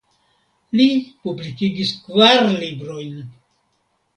Li publikigis kvar librojn.